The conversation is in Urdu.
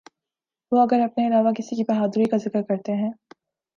وہ اگر اپنے علاوہ کسی کی بہادری کا ذکر کرتے ہیں۔